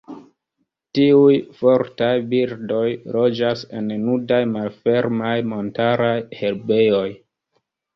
Tiuj fortaj birdoj loĝas en nudaj malfermaj montaraj herbejoj.